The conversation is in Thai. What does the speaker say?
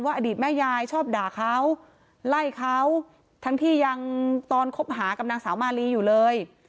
อดีตแม่ยายชอบด่าเขาไล่เขาทั้งที่ยังตอนคบหากับนางสาวมาลีอยู่เลย